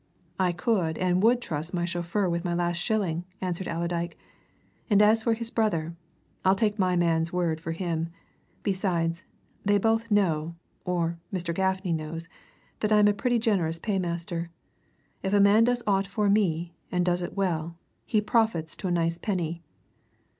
"I could and would trust my chauffeur with my last shilling," answered Allerdyke. "And as for his brother, I'll take my man's word for him. Besides, they both know or Mr. Gaffney knows that I'm a pretty generous paymaster. If a man does aught for me, and does it well, he profits to a nice penny!"